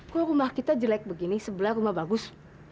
kalau rumah kita jelek begini sebelah rumah bagus